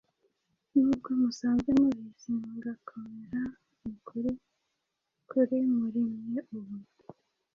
nubwo musanzwe mubizi mugakomera mu kuri kuri muri mwe ubu